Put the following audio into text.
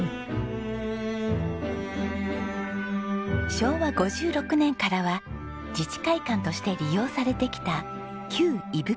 昭和５６年からは自治会館として利用されてきた旧伊深村役場。